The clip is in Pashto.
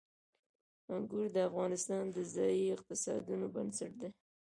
انګور د افغانستان د ځایي اقتصادونو بنسټ دی.